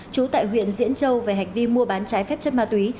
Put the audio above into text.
chú tại huyện diễn châu về hạch vi mua bán trái phép chất ma túy